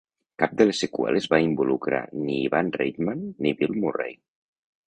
Cap de les seqüeles va involucrar ni Ivan Reitman ni Bill Murray.